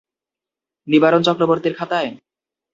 নিবারণ চক্রবর্তীর খাতায়?